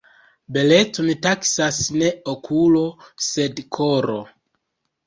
Belecon taksas ne okulo sed koro.